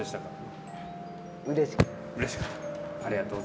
うれしかった。